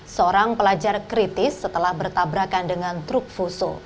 seorang pelajar kritis setelah bertabrakan dengan truk fuso